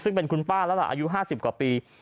ซึ่งเป็นคุณป้าแล้วล่ะอายุ๕๐กว่าปี